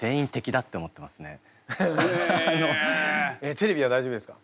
テレビは大丈夫ですか？